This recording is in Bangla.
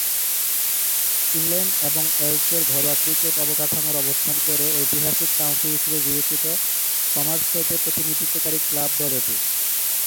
ইংল্যান্ড এবং ওয়েলসের ঘরোয়া ক্রিকেট অবকাঠামোয় অবস্থান করে ঐতিহাসিক কাউন্টি হিসেবে বিবেচিত সমারসেটের প্রতিনিধিত্বকারী ক্লাব দল এটি।